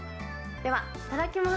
では、いただきます。